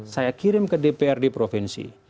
saya kirim ke dprd provinsi